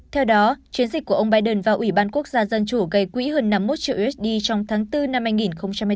theo đó chiến dịch của ông biden và ủy ban quốc gia dân chủ gây quỹ hơn năm mươi một triệu usd trong tháng bốn năm hai nghìn hai mươi bốn